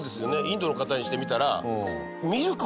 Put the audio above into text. インドの方にしてみたら。